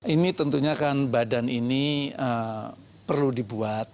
ini tentunya kan badan ini perlu dibuat